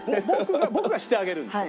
僕がしてあげるんですか？